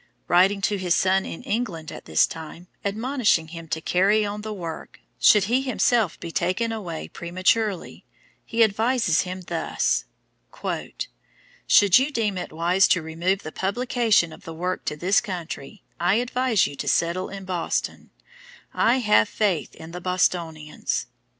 Writing to his son in England, at this time, admonishing him to carry on the work, should he himself be taken away prematurely, he advises him thus: "Should you deem it wise to remove the publication of the work to this country, I advise you to settle in Boston; _I have faith in the Bostonians."